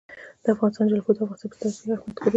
د افغانستان جلکو د افغانستان په ستراتیژیک اهمیت کې رول لري.